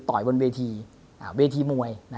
บนเวทีเวทีมวย